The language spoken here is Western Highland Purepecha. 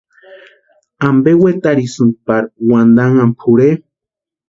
¿Ampe wetarhisïnki parika wantanhaka pʼorhe?